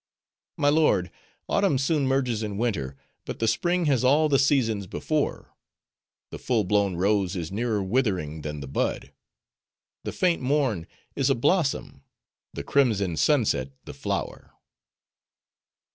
"My lord, autumn soon merges in winter, but the spring has all the seasons before. The full blown rose is nearer withering than the bud. The faint morn is a blossom: the crimson sunset the flower."